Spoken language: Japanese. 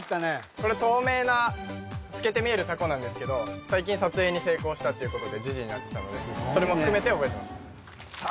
これ透明な透けて見えるタコなんですけど最近撮影に成功したっていうことで時事になってたのでそれも含めて覚えてましたさあ